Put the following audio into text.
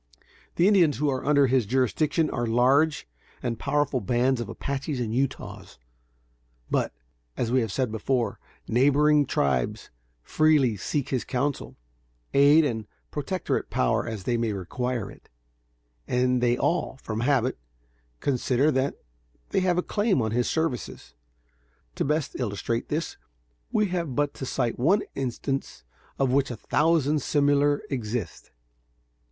The Indians who are under his jurisdiction, are large and powerful bands of the Apaches and Utahs; but, as we have said before, neighboring tribes freely seek his counsel, aid and protectorate power as they may require it, and they all, from habit, consider that they have a claim on his services. To best illustrate this, we have but to cite one instance of which a thousand similar exist.